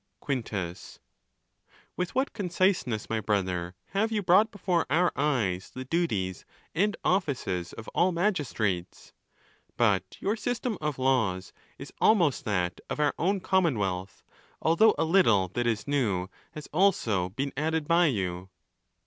V. Quintus:—With what conciseness, my brother, have you brought before our eyes the duties and offices of all magis trates! But your system of laws is almost that of our own commonwealth, although a little that is new has also been added by you.